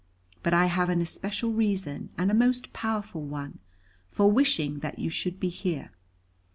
But I have an especial reason, and a most powerful one, for wishing that you should be here.